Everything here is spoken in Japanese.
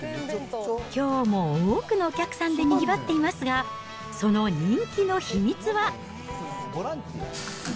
きょうも多くのお客さんでにぎわっていますが、その人気の秘密は。